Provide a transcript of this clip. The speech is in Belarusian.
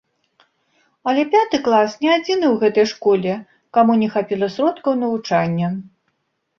Але пяты клас не адзіны ў гэтай школе, каму не хапіла сродкаў навучання.